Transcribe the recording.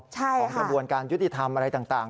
ของกระบวนการยุติธรรมอะไรต่าง